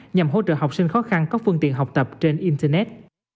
nhằm hỗ trợ học sinh khó khăn có phương tiện học tập trên internet